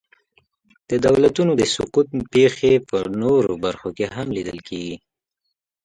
د دولتونو د سقوط پېښې په نورو برخو کې هم لیدل کېږي.